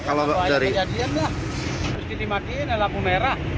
kalau ada kejadian dah terus ditimakiin ya lampu merah